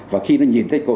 và khi nó nhìn thầy cô